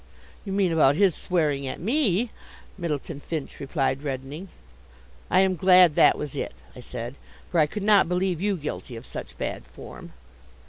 "You mean about his swearing at me," Myddleton Finch replied, reddening. "I am glad that was it," I said. "For I could not believe you guilty of such bad form."